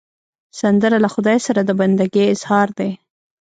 سندره له خدای سره د بندګي اظهار دی